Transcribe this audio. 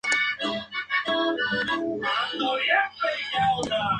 Este pequeño espacio está iluminado por un ventanal que da al patio.